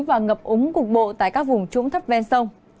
và ngập úng cục bộ tại các vùng trũng thấp ven sông